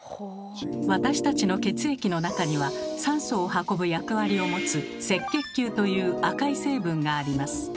私たちの血液の中には酸素を運ぶ役割を持つ赤血球という赤い成分があります。